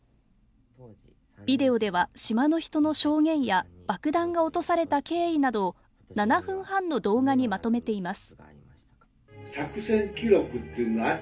ビデオでは島の人の証言や爆弾が落とされた経緯などを７分半の動画にまとめています